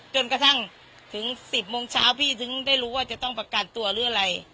จนกระทั่งถึง๑๐โมงเช้าพี่ถึงได้รู้ว่าจะต้องประกันตัวหรืออะไร